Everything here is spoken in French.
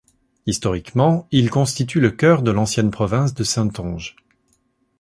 Historiquement, il constitue le cœur de l'ancienne province de Saintonge.